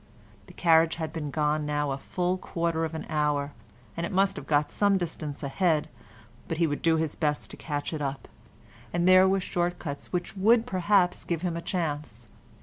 The carriage had been gone now a full quarter of an hour, and it must have got some distance ahead, but he would do his best to catch it up, and there were short cuts which would perhaps give him a chance.